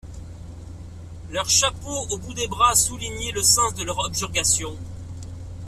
Leurs chapeaux, au bout des bras, soulignaient le sens de leurs objurgations.